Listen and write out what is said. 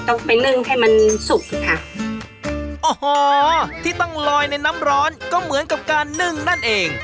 ต้องไปนึ่งให้มันสุกค่ะโอ้โหที่ต้องลอยในน้ำร้อนก็เหมือนกับการนึ่งนั่นเอง